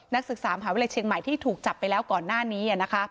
นักศึกษามหาวิทยาลัยเชียงใหม่ที่ถูกจับไปแล้วก่อนหน้านี้